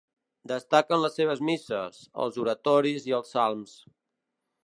Destaquen les seves misses, els oratoris i els salms.